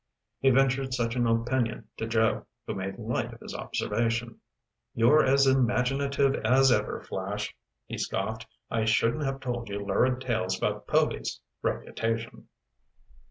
He ventured such an opinion to Joe, who made light of his observation. "You're as imaginative as ever, Flash," he scoffed. "I shouldn't have told you lurid tales about Povy's reputation."